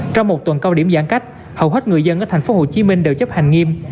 trong một tuần cao điểm giãn cách hầu hết người dân ở tp hcm đều chấp hành nghiêm